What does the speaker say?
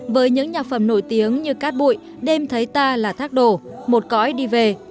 với những nhạc phẩm nổi tiếng như cát bụi đêm thấy ta là thác đổ một cõi đi về